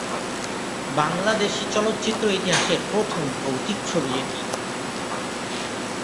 বাংলাদেশী চলচ্চিত্র ইতিহাসের প্রথম ভৌতিক ছবি এটি।